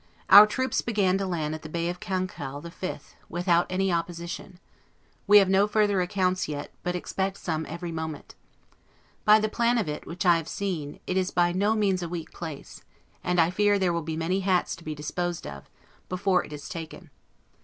Our troops began to land at the Bay of Cancale the 5th, without any opposition. We have no further accounts yet, but expect some every moment. By the plan of it, which I have seen, it is by no means a weak place; and I fear there will be many hats to be disposed of, before it is taken.